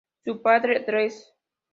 Su padre, Dres.